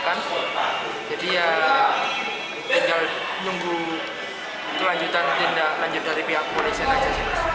jadi ya tinggal nunggu kelanjutan tindak lanjut dari pihak polisian aja